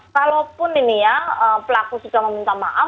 kalaupun ini ya pelaku sudah meminta maaf